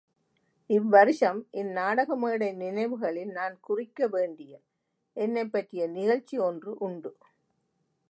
இவ்வருஷம் இந் நாடக மேடை நினைவுகளில் நான் குறிக்க வேண்டிய, என்னைப் பற்றிய நிகழ்ச்சி ஒன்று உண்டு.